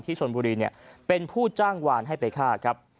ที่สนบุรีเป็นผู้จ้างวารให้ไปฆ่า